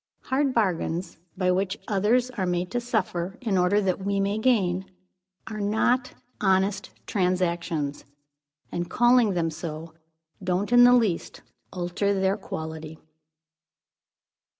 Hard bargains, by which others are made to suffer in order that we may gain, are not honest transactions; and calling them so don't in the least alter their quality.